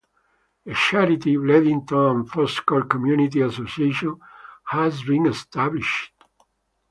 A charity, Bledington and Foscot Community Association, has been established.